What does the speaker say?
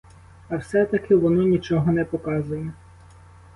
А все-таки воно нічого не показує.